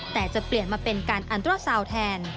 แต่จะเปลี่ยนมาเป็นการอันตราซาวน์แทน